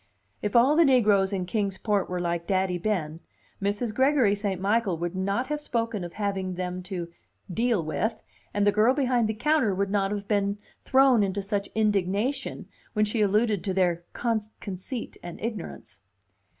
If all the negroes in Kings Port were like Daddy Ben, Mrs. Gregory St. Michael would not have spoken of having them "to deal with," and the girl behind the counter would not have been thrown into such indignation when she alluded to their conceit and ignorance.